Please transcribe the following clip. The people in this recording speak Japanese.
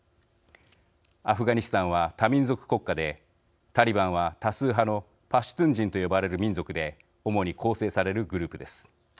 アフガニスタンは多民族国家でタリバンは多数派のパシュトゥン人と呼ばれる民族で主に構成されるグループです。